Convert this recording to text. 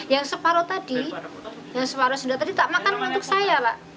yang separuh tadi yang separuh senda tadi tak makan untuk saya